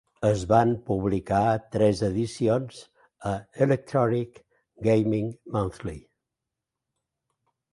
Es van publicar tres edicions a "Electronic Gaming Monthly".